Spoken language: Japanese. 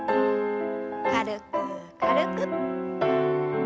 軽く軽く。